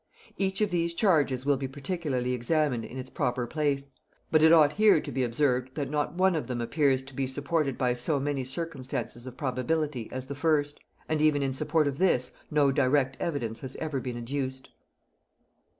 Each of these charges will be particularly examined in its proper place; but it ought here to be observed, that not one of them appears to be supported by so many circumstances of probability as the first; and even in support of this, no direct evidence has ever been adduced.